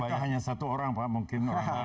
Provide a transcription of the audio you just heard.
banyaknya satu orang pak mungkin